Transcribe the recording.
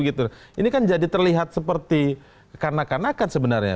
ini kan jadi terlihat seperti kanak kanakan sebenarnya